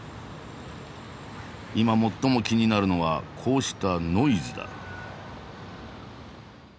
今最も気になるのはこうしたノイズだ。